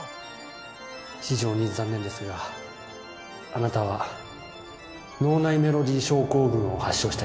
非常に残念ですがあなたは脳内メロディ症候群を発症したようです